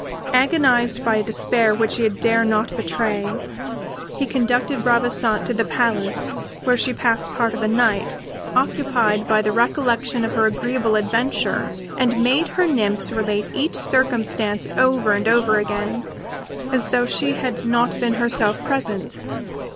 Agonized by a despair which he dared not betray, he conducted Ravissante to the Palace, where she passed part of the night, occupied by the recollection of her agreeable adventure, and made her nymphs relate each circumstance over and over again, as though she had not been herself present.